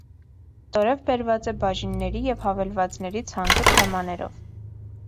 Ստորև բերված է բաժինների և հավելվածների ցանկը թեմաներով։